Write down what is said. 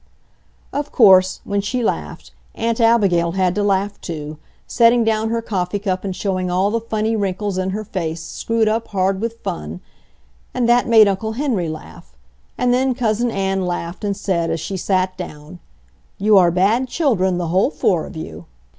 Of course, when she laughed, Aunt Abigail had to laugh too, setting down her coffee cup and showing all the funny wrinkles in her face screwed up hard with fun; and that made Uncle Henry laugh, and then Cousin Ann laughed and said, as she sat down, "You are bad children, the whole four of you!"